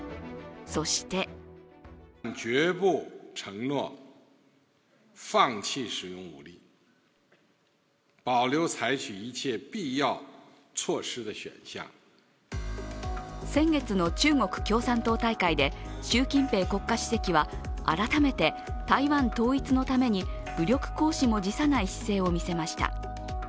そして先月の中国共産党大会で習近平国家主席は改めて台湾統一のために武力行使も辞さない姿勢を見せました。